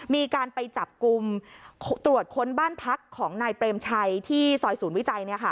มีการไปจับกลุ่มตรวจค้นบ้านพักของนายเปรมชัยที่ซอยศูนย์วิจัย